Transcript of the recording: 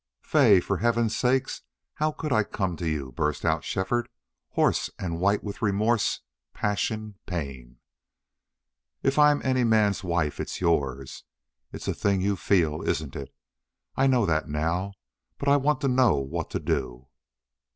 "Fay! For Heaven's sake, how could I come to you?" burst out Shefford, hoarse and white with remorse, passion, pain. "If I'm any man's wife I'm yours. It's a thing you FEEL, isn't it? I know that now.... But I want to know what to do?"